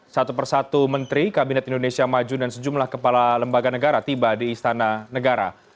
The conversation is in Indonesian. satu persatu menteri kabinet indonesia maju dan sejumlah kepala lembaga negara tiba di istana negara